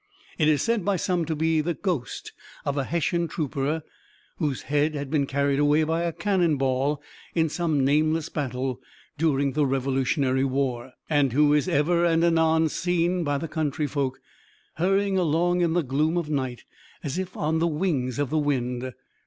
It is said by some to be the ghost of a Hessian trooper, whose head had been carried away by a cannon ball in some nameless battle during the revolutionary war, and who is ever and anon seen by the country folk, hurrying along in the gloom of night, as if on the wings of the wind.